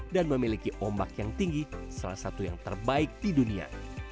dan memiliki ombak yang tinggi salah satu yang terbaik di dunia